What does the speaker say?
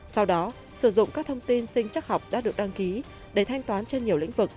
sau đó sử dụng các thông tin sinh chắc học đã được đăng ký để thanh toán trên nhiều lĩnh vực